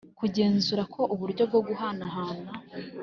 Kugenzura ko uburyo bwo guhanahana